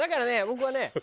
僕はね